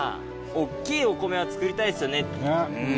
大きいお米を作りたいですようん。